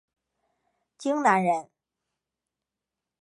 荆南人。